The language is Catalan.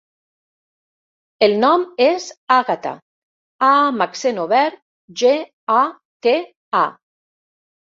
El nom és Àgata: a amb accent obert, ge, a, te, a.